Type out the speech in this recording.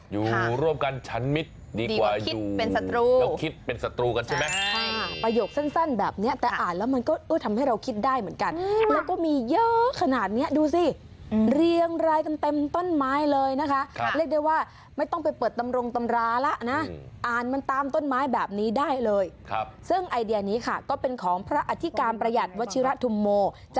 อยู่ร่วมกันฉันมิดดีกว่าอยู่คิดเป็นศัตรู